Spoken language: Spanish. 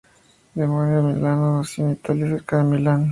Domenico Milano nació en Italia, cerca de Milan.